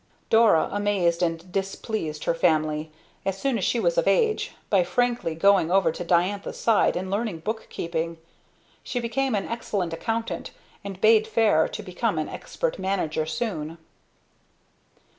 Dora amazed and displeased her family, as soon as she was of age, by frankly going over to Diantha's side and learning bookkeeping. She became an excellent accountant and bade fair to become an expert manager soon.